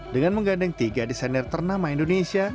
dengan menggandeng tiga desainer ternama indonesia